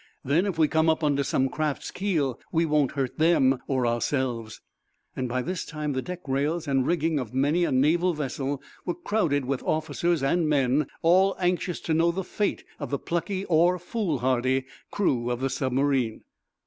"Then, if we come up under some craft's keel, we won't hurt them or ourselves." By this time the deck rails and rigging of many a naval vessel were crowded with officers and men, all anxious to know the fate of the plucky, or foolhardy, crew of the submarine.